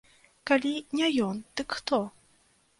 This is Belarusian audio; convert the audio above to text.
Калі не ён, дык хто?